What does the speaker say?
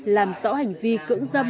làm sõ hành vi cưỡng dâm